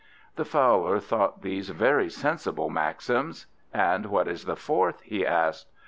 The Fowler thought these very sensible maxims. "And what is the fourth?" he asked.